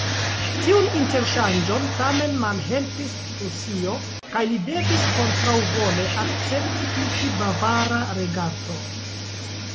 Tiun interŝanĝon tamen malhelpis Prusio, kaj li devis kontraŭvole akcepti iĝi bavara reganto.